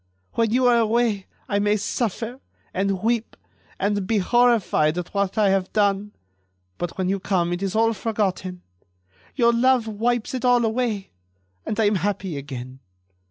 When you are away I may suffer, and weep, and be horrified at what I have done; but when you come it is all forgotten. Your love wipes it all away. And I am happy again....